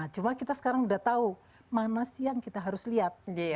cuma kita sekarang sudah tahu mana sih yang kita harus lihat